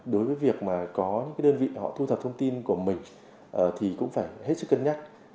đối với việc mà có những đơn vị họ thu thập thông tin của mình thì cũng phải hết sức cân nhắc